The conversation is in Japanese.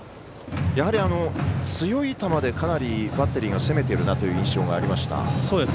やはり、強い球でかなりバッテリーが攻めているなという印象がありました。